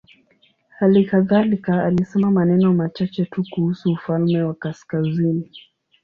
Hali kadhalika alisema maneno machache tu kuhusu ufalme wa kaskazini.